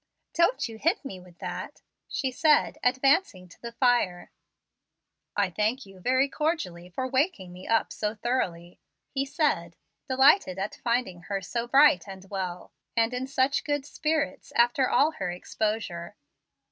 "Don't you hit me with that," she said, advancing to the fire. "I thank you very cordially for waking me up so thoroughly," he said, delighted at finding her so bright and well, and in such good spirits, after all her exposure.